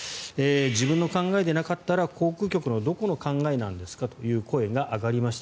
自分の考えでなかったら航空局のどこの考えなんですかという声が上がりました。